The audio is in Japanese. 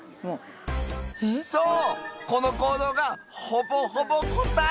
そうこの行動がほぼほぼ答え